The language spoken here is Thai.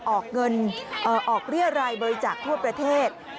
ออกเงินออกเรียรายบริจาคทั่วประเทศ